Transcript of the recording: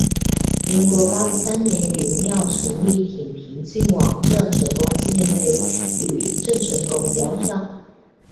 民国八十三年于庙埕立延平郡王郑成功纪念碑与郑成功雕像。